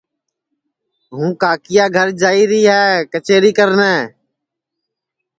ہوں کاکیا گھر جائیری ہے کچیری کرنے